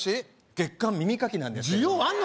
「月刊耳かき」なんですけどね